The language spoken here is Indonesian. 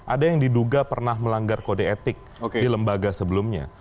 ada yang diduga pernah melanggar kode etik di lembaga sebelumnya